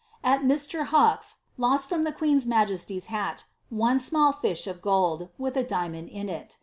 At Mr. Hawkes's, lost from the queen's majesty's hat one small fish of gold, with a diamond in it.